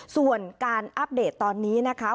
ส่วนการอัปเดตตอนนี้นะคะ